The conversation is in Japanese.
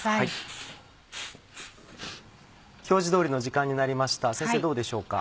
表示通りの時間になりました先生どうでしょうか？